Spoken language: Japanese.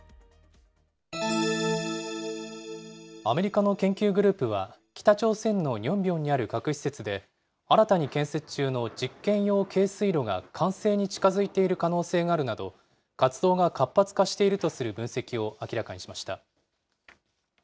アメリカの研究グループは、北朝鮮のニョンビョンにある核施設で、新たに建設中の実験用軽水炉が完成に近づいている可能性があるなど、活動が活発化しているとする分析を明らかにしました。